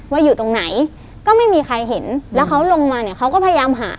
อยู่ตรงไหนก็ไม่มีใครเห็นแล้วเขาลงมาเนี่ยเขาก็พยายามหา